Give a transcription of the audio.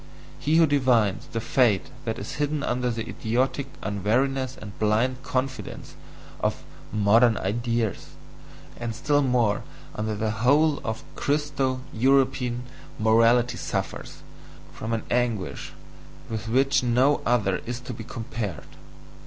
he who divines the fate that is hidden under the idiotic unwariness and blind confidence of "modern ideas," and still more under the whole of Christo European morality suffers from an anguish with which no other is to be compared.